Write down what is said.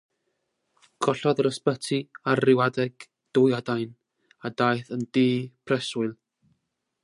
Collodd yr Ysbyty ar ryw adeg dwy adain, a daeth yn dŷ preswyl.